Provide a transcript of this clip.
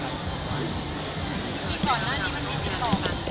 หึอะไรนะ